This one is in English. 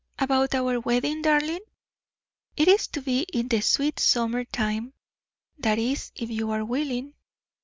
"About our wedding, darling? It is to be in the sweet summer time, that is, if you are willing.